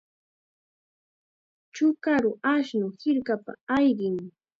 Chukaru ashnu hirkapa ayqin.